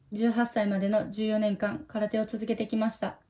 １８歳までの１４年間空手を続けてきました。